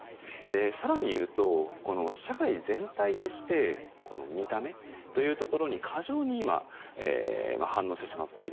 更に言うと、社会全体として見た目というところに過剰に今、反応してしまっている。